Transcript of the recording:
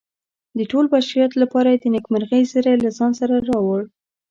د ټول بشریت لپاره یې د نیکمرغۍ زیری له ځان سره راوړ.